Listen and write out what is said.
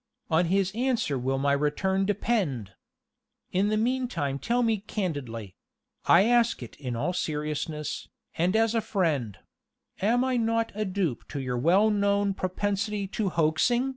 On his answer will my return depend! In the meantime tell me candidly I ask it in all seriousness, and as a friend am I not a dupe to your well known propensity to hoaxing?